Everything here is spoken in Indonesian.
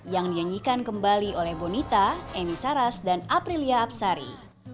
yang dinyanyikan kembali oleh bonita emi saras dan aprilia apsari